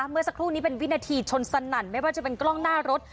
เมื่อสักครู่นี้เป็นวินาทีชนสนั่นไม่ว่าจะเป็นกล้องหน้ารถ